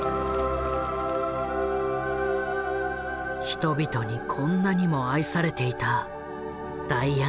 人々にこんなにも愛されていたダイアナ。